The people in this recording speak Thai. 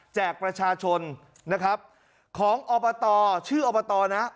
แจกประชาชนนะครับของออบตชื่อออบตนี่